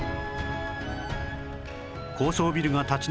高層ビルが立ち並ぶ